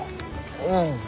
うん。